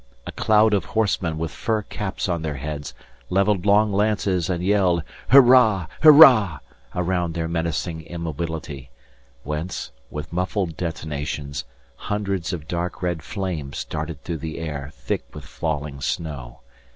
A cloud of horsemen with fur caps on their heads, levelled long lances and yelled "Hurrah! Hurrah!" around their menacing immobility, whence, with muffled detonations, hundreds of dark red flames darted through the air thick with falling snow.